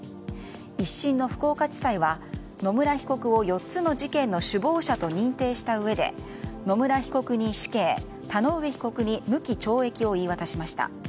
１審の福岡地裁は野村被告を４つの事件の首謀者と認定したうえで野村被告に死刑田上被告に無期懲役を言い渡しました。